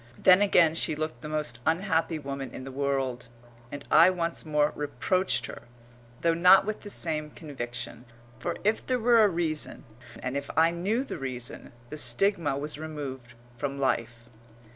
Then again she looked the most unhappy woman in the world, and I once more reproached her, though not with the same conviction, for if there were a reason, and if I knew the reason, the stigma was removed from life.